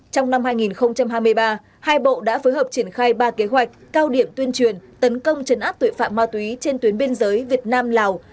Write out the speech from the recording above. trong năm hai nghìn hai mươi ba hai bộ đã phối hợp triển khai ba kế hoạch cao điểm tuyên truyền tấn công chấn áp tội phạm ma túy trên tuyến biên giới việt nam lào